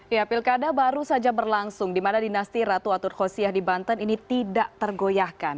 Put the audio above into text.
ya pilkada baru saja berlangsung di mana dinasti ratu atur khosyah di banten ini tidak tergoyahkan